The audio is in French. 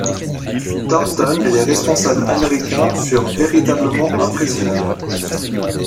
Thornton et les responsables américains furent véritablement impressionnés.